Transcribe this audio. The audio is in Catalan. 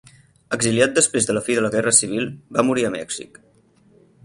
Exiliat després de la fi de la Guerra Civil, va morir a Mèxic.